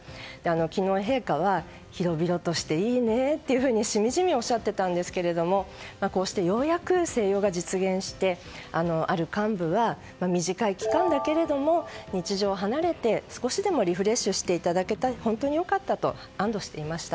昨日、陛下は広々としていいねとしみじみおっしゃっていたんですけれどもこうしてようやく静養が実現してある幹部は、短い期間だけれども日常を離れて、少しでもリフレッシュしていただけて本当に良かったと安堵していました。